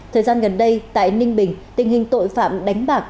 thời gian gần đây tại ninh bình tình hình tội phạm đánh bạc